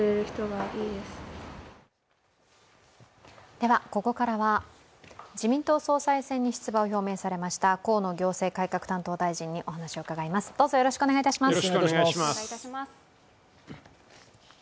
ではここからは自民党総裁選に出馬を表明されました河野行政改革担当大臣にお話を伺います。